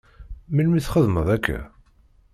Melmi i txedmeḍ akka?